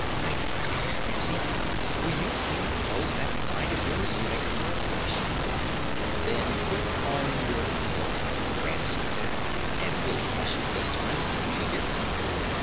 My gosh, Ramsey! Will you please close that mind of yours? You make a girl blush." "Then put on your cloak," Ramsey said, and, really blushing this time, she did so.